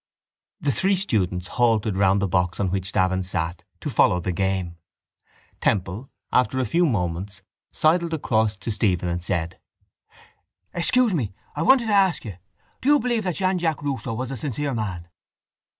The three students halted round the box on which Davin sat to follow the game. Temple, after a few moments, sidled across to Stephen and said: —Excuse me, I wanted to ask you, do you believe that Jean Jacques Rousseau was a sincere man?